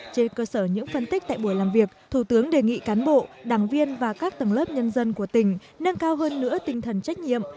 trên cơ sở những phân tích tại buổi làm việc thủ tướng đề nghị cán bộ đảng viên và các tầng lớp nhân dân của tỉnh nâng cao hơn nữa tinh thần trách nhiệm